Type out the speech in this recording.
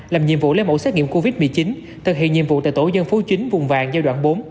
làm nhiệm vụ lấy mẫu xét nghiệm covid một mươi chín thực hiện nhiệm vụ tại tổ dân phố chính vùng vàng giai đoạn bốn